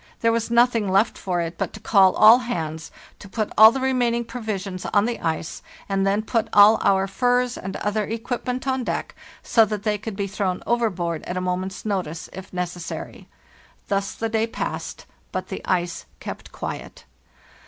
There was nothing left for it but to call all hands, to put all the remaining provisions on the ice, and then put all our furs and other equipment on deck, so that they could be thrown overboard at a moment's notice if necessary. Thus the day passed, but the ice kept quiet.